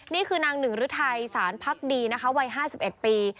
นี่คือนางหนึ่งฤทัยสารพักดีนะคะวัย๕๑ปี